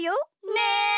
ねえ！